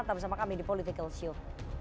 tetap bersama kami di politikalshow